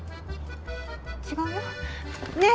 違うよ。ねぇ！